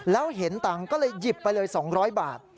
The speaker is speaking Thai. แล้วเห็นตังค์ก็เลยหยิบไปเลย๒๐๐บาท